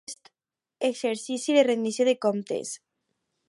Hem de començar, si més no, per aquest exercici de rendició de comptes.